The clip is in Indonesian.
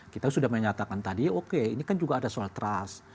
kita sudah menyatakan tadi oke ini kan juga ada soal trust